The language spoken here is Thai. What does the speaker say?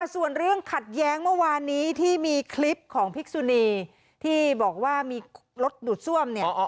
ส่วนเรื่องขัดแย้งเมื่อวานนี้ที่มีคลิปของพิกษุนีที่บอกว่ามีรถดูดซ่วมเนี่ย